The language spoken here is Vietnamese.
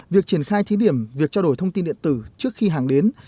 việc triển khai thí điểm việc trao đổi thông tin điện tử trước khi hàng đến